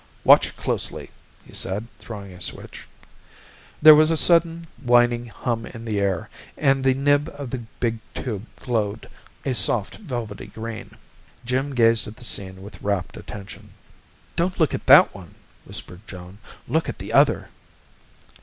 "Watch closely!" he said, throwing a switch. There was a sudden, whining hum in the air and the nib of the big tube glowed a soft, velvety green. Jim gazed at the scene with rapt attention. "Don't look at that one!" whispered Joan. "Look at the other!"